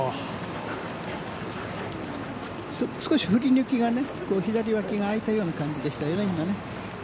少し振り抜きが左脇が開いたような感じでしたよね。